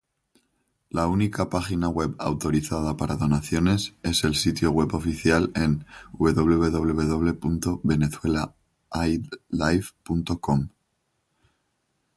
La única página web autorizada para donaciones es el sitio web oficial en www.VenezuelaAidLive.com.